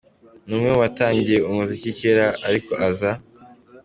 Ni umwe mu batangiye umuziki cyera ariko aza